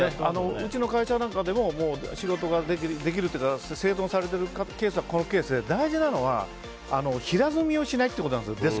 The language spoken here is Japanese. うちの会社なんかでも仕事ができる方は整頓されているというのはこのケースで、大事なのは平積みをしないことなんです。